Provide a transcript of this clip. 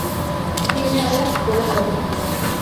Tienen alas y cola cortas.